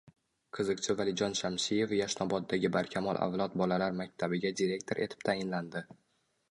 Qiziqchi Valijon Shamshiyev Yashnoboddagi Barkamol avlod bolalar maktabiga direktor etib tayinlandi